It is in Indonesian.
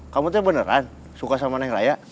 kamu tuh beneran suka sama neng raya